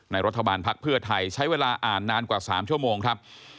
รัฐบาลภักดิ์เพื่อไทยใช้เวลาอ่านนานกว่า๓ชั่วโมงครับ